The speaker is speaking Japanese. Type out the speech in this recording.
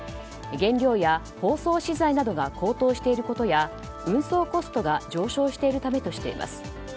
原料や包装資材などが高騰していることや運送コストが上昇しているためとしています。